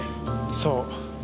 そう。